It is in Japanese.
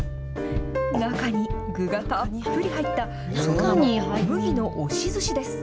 中に具がたっぷり入った、、その名も牟岐の押しずしです。